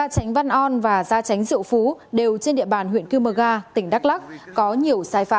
cảm ơn các bạn đã theo dõi